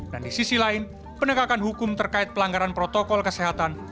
dan di sisi lain penegakan hukum terkait pelanggaran protokol kesehatan